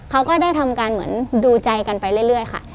เขาก็ได้ทำการเหมือนดูใจกันไปเรื่อยค่ะ